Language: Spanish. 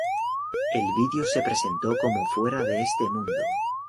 El video se presentó como "¡fuera de este mundo!".